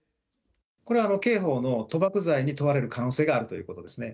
これは刑法の賭博罪に問われる可能性があるということですね。